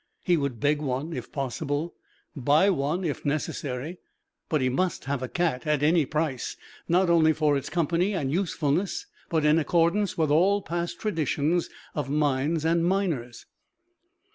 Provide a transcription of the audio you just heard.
He would beg one if possible, buy one if necessary, but he must have a cat at any price, not only for its company and usefulness, but in accordance with all past traditions of mines and miners.